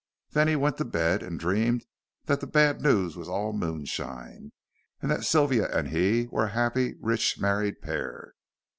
Then he went to bed and dreamed that the bad news was all moonshine, and that Sylvia and he were a happy rich married pair.